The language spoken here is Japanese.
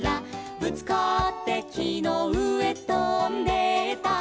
「ぶつかってきのうえとんでった」